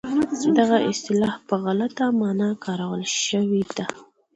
دغه اصطلاح په غلطه مانا کارول شوې ده.